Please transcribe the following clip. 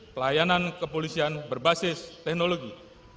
pelayanan kepolisian berbasis teknologi